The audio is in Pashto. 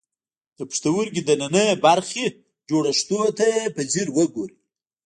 د پښتورګي دننۍ برخې جوړښتونو ته په ځیر وګورئ.